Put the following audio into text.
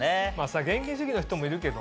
現金主義の人もいるけどね